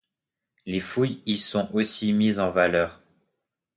Les fouilles y sont aussi mises en valeur.